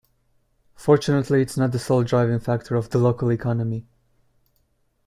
Fortunately its not the sole driving factor of the local economy.